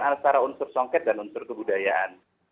untuk menggunakan unsur songket dan unsur kebudayaan